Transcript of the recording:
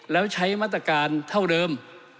แล้วใช้มาตรการเท่าเดิม